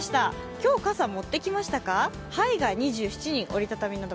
今日、傘、持ってきましたか？